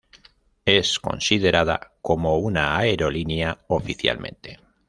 Es considerada como una aerolínea oficialmente.